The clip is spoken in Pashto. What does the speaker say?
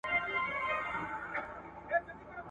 دوولس دوولسم عدد دئ.